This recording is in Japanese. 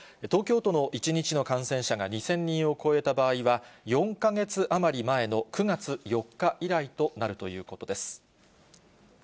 東京都の１日の感染者が２０００人を超えた場合は、４か月余り前の９月４日以来となるということです。